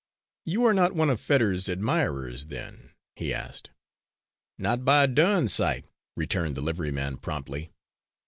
"You are not one of Fetters's admirers then?" he asked. "Not by a durn sight," returned the liveryman promptly.